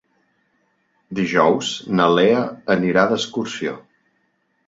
Dijous na Lea anirà d'excursió.